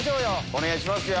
お願いしますよ。